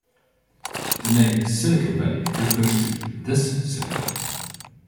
The name "Silicon Valley" refers to this silicon.